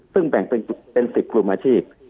ซึ่งแบ่งเป็น๑๐กลุ่มอาชีพ